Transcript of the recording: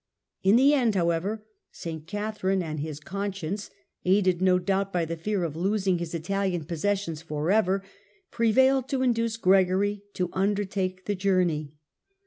In the end, however, St. Catherine and his conscience, aided no doubt by the fear of losing his Italian possessions for ever, prevailed to induce Gregory to undertake the journey.